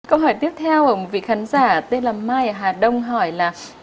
câu hỏi tiếp theo của một vị khán giả tên là mai hà đông hỏi là